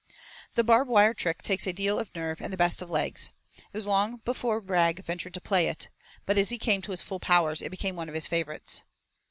The barb wire trick takes a deal of nerve and the best of legs. It was long before Rag ventured to play it, but as he came to his full powers it became one of his favorites.